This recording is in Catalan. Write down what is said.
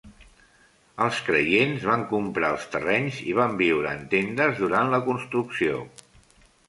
Els creients van comprar els terrenys i van viure en tendes durant la construcció.